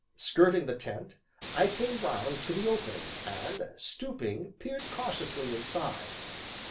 Skirting the tent, I came round to the opening, and stooping, peered cautiously inside.